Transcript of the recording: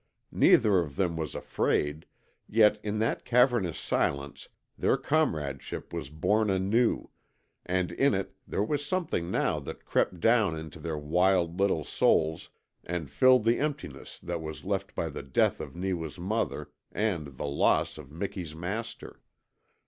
Neither of them was afraid, yet in that cavernous silence their comradeship was born anew, and in it there was something now that crept down into their wild little souls and filled the emptiness that was left by the death of Neewa's mother and the loss of Miki's master.